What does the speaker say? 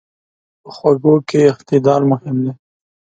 په خوږو کې اعتدال مهم دی.